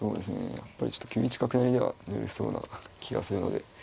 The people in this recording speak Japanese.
やっぱりちょっと９一角成ではぬるそうな気がするので。